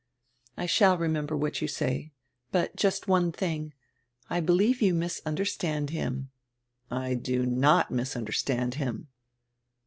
"I shall remember what you say. But just one tiring — I helieve you misunderstand him." "I do not misunderstand him."